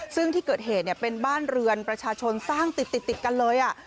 ซึ่งที่เกิดเหตุเป็นบ้านเรือนประชาชนสร้างติดกันเลย